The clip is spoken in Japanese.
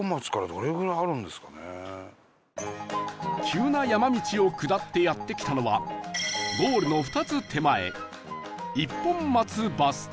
急な山道を下ってやって来たのはゴールの２つ手前一本松バス停